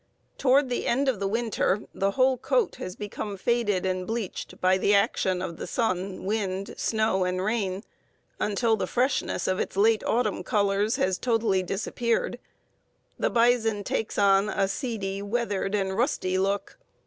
Toward the end of the winter the whole coat has become faded and bleached by the action of the sun, wind, snow, and rain, until the freshness of its late autumn colors has totally disappeared. The bison takes on a seedy, weathered, and rusty look.